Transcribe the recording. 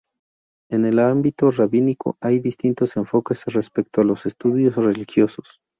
En el ámbito rabínico hay distintos enfoques respecto a los estudios religiosos.